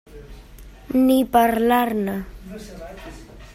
Ni parlar-ne!